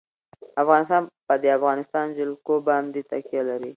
افغانستان په د افغانستان جلکو باندې تکیه لري.